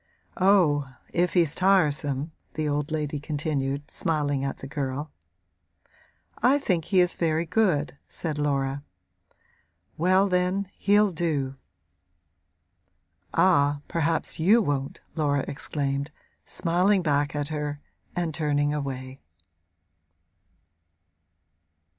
'Oh if he's tiresome!' the old lady continued, smiling at the girl. 'I think he is very good,' said Laura. 'Well then, he'll do.' 'Ah, perhaps you won't!' Laura exclaimed, smiling back at her and turning away.